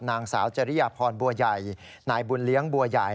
นางสาวจริยพรบัวใหญ่นายบุญเลี้ยงบัวใหญ่